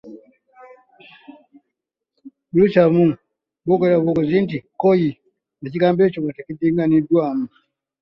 Oluusi abamu boogera bwogezi nti “KKOYI” ekigambo ekyo nga tekiddinganiddwa.